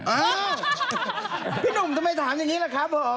อ่าพี่หนุ่มทำไมถามอย่างนี้ล่ะครับผม